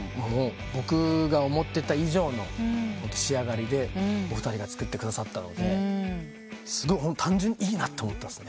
僕が思ってた以上の仕上がりでお二人が作ってくださったので単純にいいなと思ったっす。